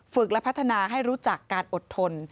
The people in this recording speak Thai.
และพัฒนาให้รู้จักการอดทน